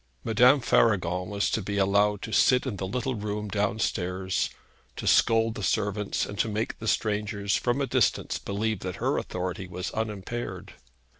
Madame Faragon was to be allowed to sit in the little room downstairs, to scold the servants, and to make the strangers from a distance believe that her authority was unimpaired.